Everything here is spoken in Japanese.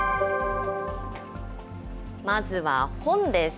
まずは本です。